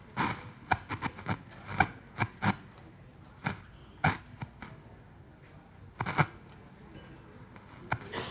ข้างข้างไม่ได้ข้างข้างไม่ได้